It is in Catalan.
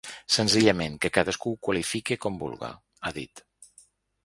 Senzillament, que cadascú ho qualifique com vulga, ha dit.